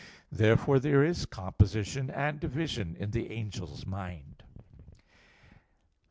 Therefore there is composition and division in the angel's mind. Obj.